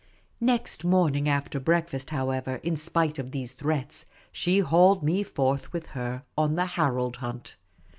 Next morning after breakfast, however, in spi' .e of these threats, she hauled me forth with her on the Harold hunt.